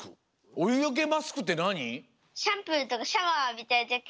おゆよけマスクってなに？